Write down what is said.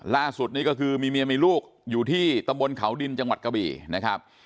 ล่าสุดนี่ก็คือมีเมียมีลูกอยู่ที่ตำบลเขาดินจังหวัดกะบี่นะครับ